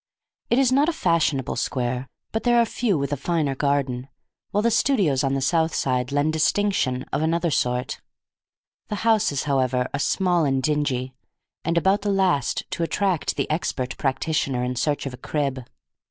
It is not a fashionable square, but there are few with a finer garden, while the studios on the south side lend distinction of another sort. The houses, however, are small and dingy, and about the last to attract the expert practitioner in search of a crib.